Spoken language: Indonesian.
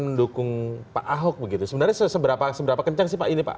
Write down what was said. mendukung pak ahok begitu sebenarnya seberapa kencang sih pak ini pak